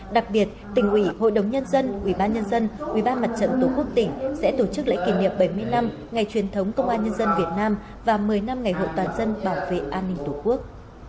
đặc biệt tỉnh ủy hội đồng nhân dân ubnd ubnd tổ quốc tỉnh sẽ tổ chức lễ kỷ niệm bảy mươi năm ngày truyền thống công an nhân dân việt nam và một mươi năm ngày hội toàn dân bảo vệ an ninh tổ quốc